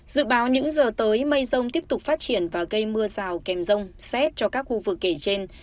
dự báo những giờ tới mây rông tiếp tục phát triển và gây mưa rào kèm rông xét cho các khu vực kể trên